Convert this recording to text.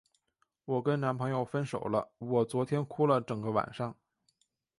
我跟男朋友分手了，我昨天哭了整个晚上。